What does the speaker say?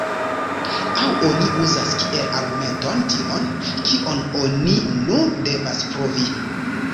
Aŭ oni uzas kiel argumenton tion, kion oni nur devas pruvi.